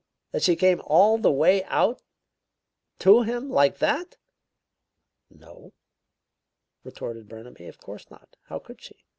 That she came all the way out to him, like that?" "No," retorted Burnaby, "of course not. How could she?